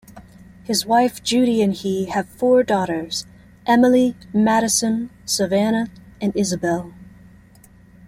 His wife, Judy, and he have four daughters: Emily, Madison, Savanna and Isabelle.